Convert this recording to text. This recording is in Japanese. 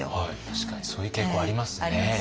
確かにそういう傾向ありますね。